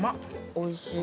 おいしい。